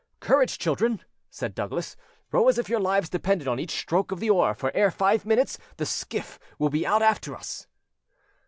"Courage, children!" said Douglas. "Row as if your lives depended on each stroke of the oar; for ere five minutes the skiff will be out after us."